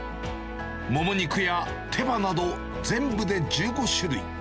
もも肉や手羽など全部で１５種類。